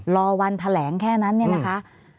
รอวันแถลงแค่นั้นเนี่ยนะคะ